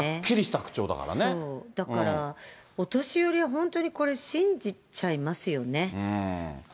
そう、だからお年寄りは本当にこれ、信じちゃいますよね。